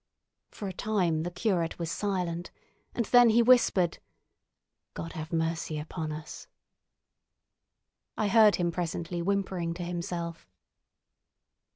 For a time the curate was silent, and then he whispered: "God have mercy upon us!" I heard him presently whimpering to himself.